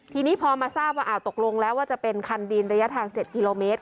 ทีนี้พอมาทราบว่าตกลงแล้วว่าจะเป็นคันดินระยะทาง๗กิโลเมตร